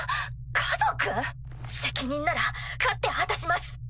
責任なら勝って果たします。